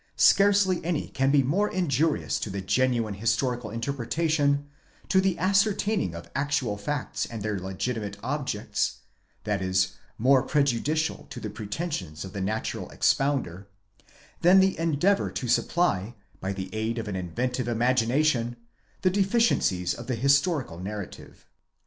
scarcely any can be more injurious to the genuine historical interpretation, to the ascertaining of actual facts and their legitimate objects (that is, more prejudicial to the pretensions of the natural expounder) than the endeavour to supply, by aid of an inventive imagination, the deficiencies of the historical narrative.